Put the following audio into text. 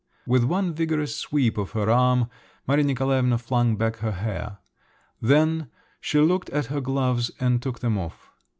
With one vigorous sweep of her arm Maria Nikolaevna flung back her hair. Then she looked at her gloves and took them off.